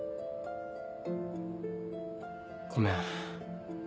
ごめん。